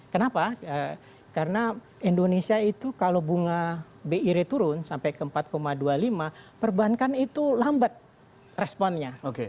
kenapa karena indonesia itu kalau bunga bi rate turun sampai ke empat dua puluh lima perbankan itu lambat responnya